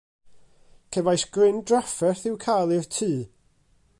Cefais gryn drafferth i'w cael i'r tŷ.